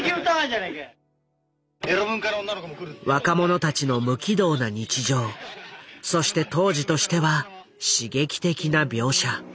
若者たちの無軌道な日常そして当時としては刺激的な描写。